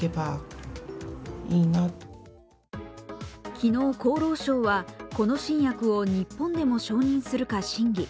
昨日、厚労省はこの新薬を日本でも承認するか審議。